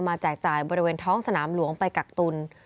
แจกจ่ายบริเวณท้องสนามหลวงไปกักตุล